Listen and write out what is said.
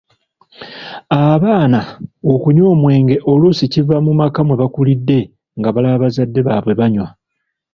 Abaana okunywa omwenge oluusi kiva mu maka mwe bakulidde nga balaba bazadde baabwe banywa.